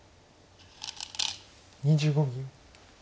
２５秒。